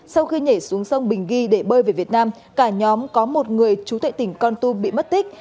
sau khi nhảy xuống sông bình ghi để bơi về việt nam cả nhóm có một người chú tệ tỉnh kon tu bị mất tích